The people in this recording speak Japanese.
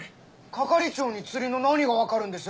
係長に釣りの何がわかるんです？